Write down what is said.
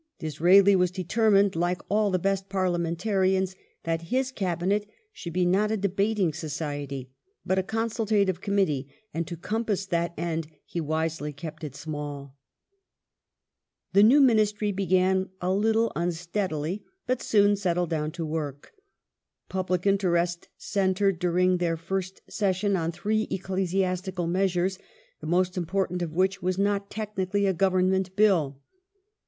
Disraeli was determined, like all the best parliamentarians, that his Cabinet should be not a debating society but a consultative Committee and to compass that end he wisely kept it small. Ecclesi The new Ministry began a little unsteadily, but soon settled astical down to work. Public interest centred during their first session on three ecclesiastical measures, the most important of which was not technically a Government Bill.